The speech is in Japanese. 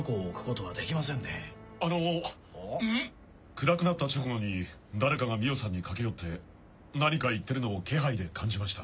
暗くなった直後に誰かが美緒さんに駆け寄って何か言ってるのを気配で感じました。